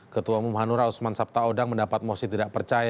ketua umum hanura usman sabta odang mendapat mosi tidak percaya